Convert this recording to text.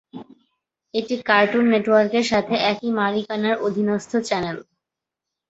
এটি কার্টুন নেটওয়ার্কের সাথে একই মালিকানার অধীনস্থ চ্যানেল।